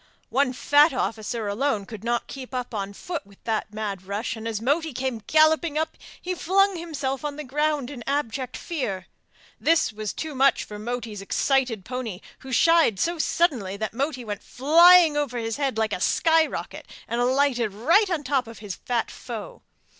One fat officer alone could not keep up on foot with that mad rush, and as Moti came galloping up he flung himself on the ground in abject fear. This was too much for Moti's excited pony, who shied so suddenly that Moti went flying over his head like a sky rocket, and alighted right on the top of his fat foe.